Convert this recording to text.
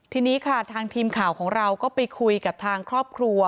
ทีนี้ค่ะทางทีมข่าวของเราก็ไปคุยกับทางครอบครัว